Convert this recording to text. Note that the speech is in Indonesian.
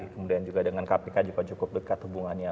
kemudian juga dengan kpk juga cukup dekat hubungannya